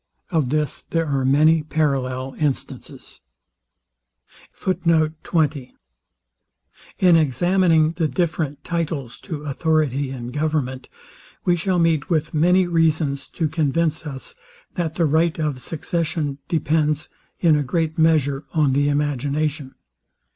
Of this there are many parallel instances. In examining the different titles to authority in government, we shall meet with many reasons to convince us, that the right of succession depends, in a great measure on the imagination.